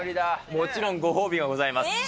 もちろんご褒美がございます。